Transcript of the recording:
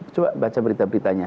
coba baca berita beritanya